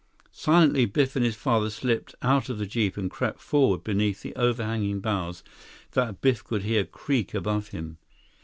Silently Biff and his father slipped out of the jeep and crept forward beneath overhanging boughs that Biff could hear creak above him.